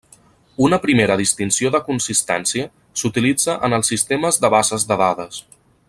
Una primera distinció de consistència s'utilitza en els sistemes de bases de dades.